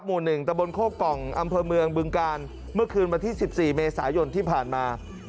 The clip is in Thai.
หมู่๑ตะบนโคกล่องอำเภอเมืองบึงกาลเมื่อคืนวันที่๑๔เมษายนที่ผ่านมา